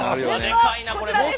でかいなこれも。